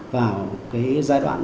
vào cái giai đoạn